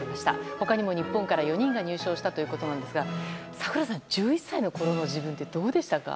他にも日本から４人が入賞したということなんですが櫻井さん１１歳のころの自分ってどうでしたか？